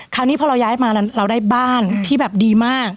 คราวนี้พอเราย้ายมาเราได้บ้านที่แบบดีมาก